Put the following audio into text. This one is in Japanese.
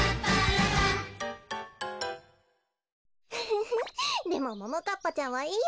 フフフでもももかっぱちゃんはいいよね。